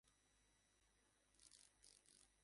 তিনি পূর্ব পাকিস্তান সাংবাদিক ইউনিয়নের সাধারণ সম্পাদক ছিলেন।